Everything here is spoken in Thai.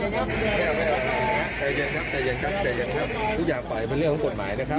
ใจเย็นครับใจเย็นครับใจเย็นครับทุกอย่างไปมันเรื่องของผลหมายนะครับ